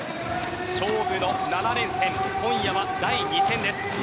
勝負の７連戦今夜は第２戦です。